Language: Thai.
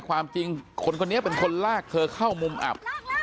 ความจริงคนคนนี้เป็นคนลากเธอเข้ามุมอับ